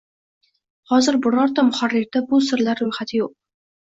Hozir birorta muharrirda bu sirlar ro‘yxati yo‘q.